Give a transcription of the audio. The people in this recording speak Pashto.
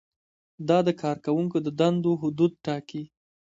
دا د کارکوونکو د دندو حدود ټاکي.